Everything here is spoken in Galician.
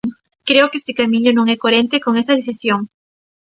Creo que este camiño non é coherente con esa decisión.